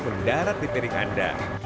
mendarat di pering anda